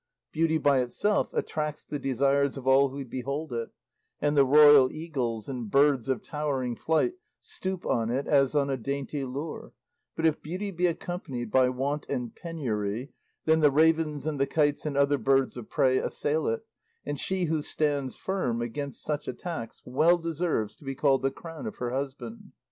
Beauty by itself attracts the desires of all who behold it, and the royal eagles and birds of towering flight stoop on it as on a dainty lure; but if beauty be accompanied by want and penury, then the ravens and the kites and other birds of prey assail it, and she who stands firm against such attacks well deserves to be called the crown of her husband.